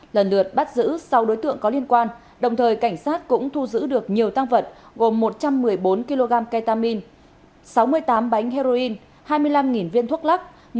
lần lượt bắt giữ sau đối tượng có liên quan đồng thời cảnh sát cũng thu giữ được nhiều tăng vật gồm một trăm một mươi bốn kg ketamine sáu mươi tám bánh heroin hai mươi năm viên thuốc lắc